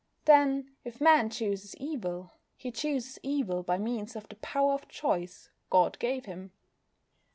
Then, if Man chooses evil, he chooses evil by means of the power of choice God gave him.